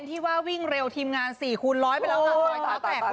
ตัวใหญ่มากลูก